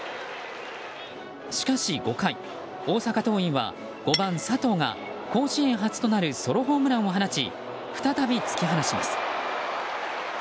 しかし５回、大阪桐蔭は５番、佐藤が甲子園初となるソロホームランを放ち再び突き放します。